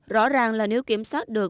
rõ ràng là nếu kiểm soát được